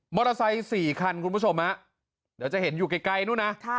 มอเตอร์ไซต์สี่คันคุณผู้ชมฮะเดี๋ยวจะเห็นอยู่ไกลไกลนู้น่ะค่ะ